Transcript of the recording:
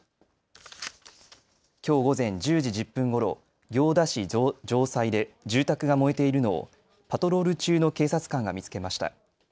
きょう午前１０時１０分ごろ、行田市城西で住宅が燃えているのをパトロール中の警察官が見つけました。